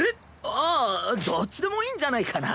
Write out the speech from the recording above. ああどっちでもいいんじゃないかな。